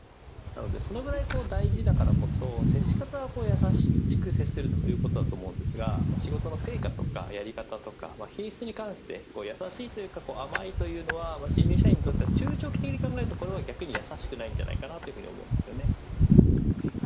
それぐらい大事だからこそ接し方は優しくするということだと思うんですが仕事の成果とか仕事のやり方とか品質に関して優しいというか、甘いというのは新入社員にとっては中長期的に考えるとこれは逆に優しくないんじゃないかと思うんです。